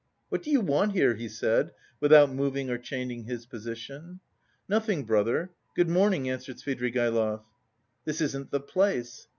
"What do you want here?" he said, without moving or changing his position. "Nothing, brother, good morning," answered Svidrigaïlov. "This isn't the place."